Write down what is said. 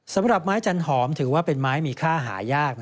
สำหรับไม้จันหอมถือว่าเป็นไม้มีค่าหายาก